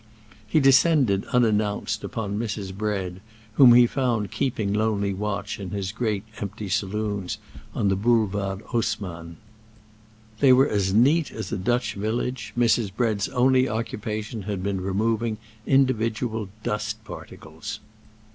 He descended, unannounced, upon Mrs. Bread, whom he found keeping lonely watch in his great empty saloons on the Boulevard Haussmann. They were as neat as a Dutch village, Mrs. Bread's only occupation had been removing individual dust particles.